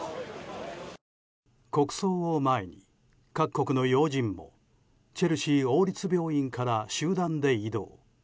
国葬を前に、各国の要人もチェルシー王立病院から集団で移動。